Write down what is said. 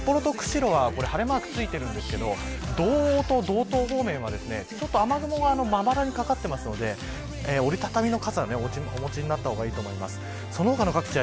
札幌と釧路は晴れマークがついていますか道央と道東方面は雨雲がまばらにかかっているので折り畳みの傘をお持ちになった方がいいと思います。